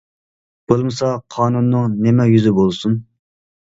بولمىسا قانۇننىڭ نېمە يۈزى بولسۇن؟!